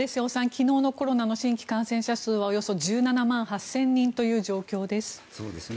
昨日のコロナの新規感染者数はおよそ１７万８０００人という状況です。